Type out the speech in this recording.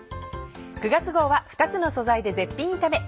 ９月号は「２つの素材で絶品炒め」。